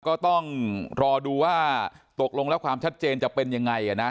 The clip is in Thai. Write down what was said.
ก็ต้องรอดูว่าตกลงแล้วความชัดเจนจะเป็นยังไงนะ